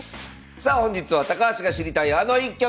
さあ本日は高橋が知りたいあの一局！